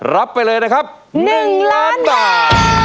รับไปเลยนะครับ๑ล้านบาท